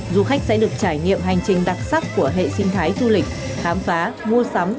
du khách sẽ được trải nghiệm hành trình đặc sắc của hệ sinh thái du lịch khám phá mua sắm